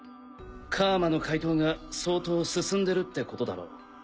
楔の解凍が相当進んでるってことだろう。